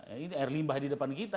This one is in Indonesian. ini air limbah di depan kita